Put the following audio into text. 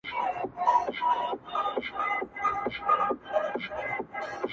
لا طبیب نه وو راغلی د رنځور نصیب تر کوره!